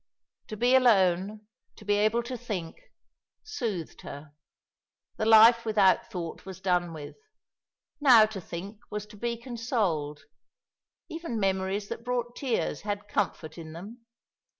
To be alone, to be able to think, soothed her. The life without thought was done with. Now to think was to be consoled. Even memories that brought tears had comfort in them.